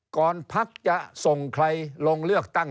พักจะส่งใครลงเลือกตั้ง